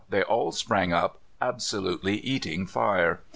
they all sprang up, absolutely eating fire.